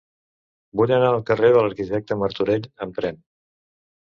Vull anar al carrer de l'Arquitecte Martorell amb tren.